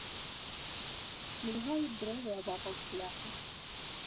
Мільгаюць дрэвы абапал шляху.